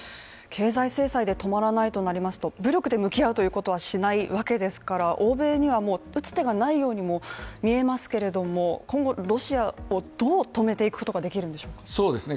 経済制裁で止まらないとなると、武力で向き合うことはしないわけですから、欧米にはもう打つ手がないようにも見えますけれども今後、ロシアをどう止めていくことができるんでしょうか？